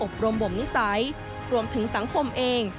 รมบ่มนิสัยรวมถึงสังคมเอง